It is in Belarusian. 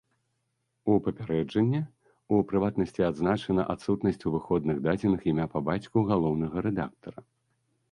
У папярэджанні, у прыватнасці, адзначана адсутнасць у выходных дадзеных імя па бацьку галоўнага рэдактара.